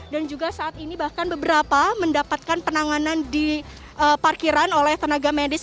dan juga saat ini bahkan beberapa mendapatkan penanganan di parkiran oleh tenaga medis